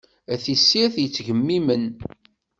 A tissirt yettgemimen.